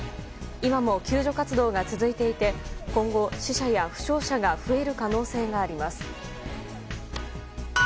今も救助活動が続いていて今後、死者や負傷者が増える可能性があります。